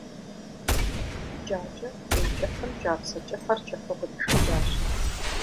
Кӏакӏэ кӏей кӏыхьым кӏапсэ кӏыхьыр кӏыхьу къришэкӏащ.